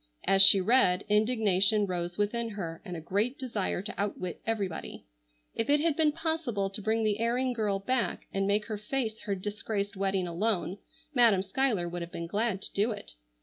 As she read, indignation rose within her, and a great desire to outwit everybody. If it had been possible to bring the erring girl back and make her face her disgraced wedding alone, Madam Schuyler would have been glad to do it.